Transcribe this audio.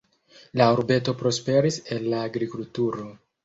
La urbeto prosperis el la agrikulturo.